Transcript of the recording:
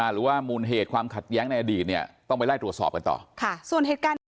หรือว่ามูลเหตุความขัดแย้งในอดีตต้องไปไล่ตรวจสอบกันต่อ